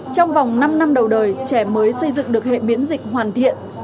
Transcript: trong vòng năm năm đầu đời trẻ mới xây dựng được hệ miễn dịch hoàn thiện